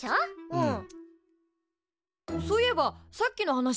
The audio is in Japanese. うん。